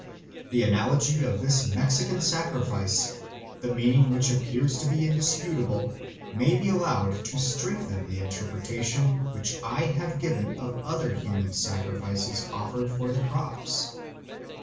The analogy of this Mexican sacrifice, the meaning of which appears to be indisputable, may be allowed to strengthen the interpretation which I have given of other human sacrifices offered for the crops.